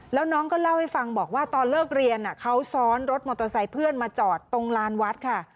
แล้วน้องก็เล่าให้ฟังบอกว่าตอนเลิกเรียนเขาซ้อนรถมอเตอร์ไซค์เพื่อนมาจอดตรงลานวัดค่ะ